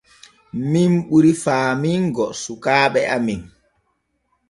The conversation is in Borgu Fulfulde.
Min ɓuri faamingo sukaaɓe amen.